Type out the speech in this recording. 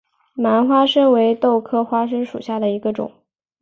蔓花生为豆科花生属下的一个种。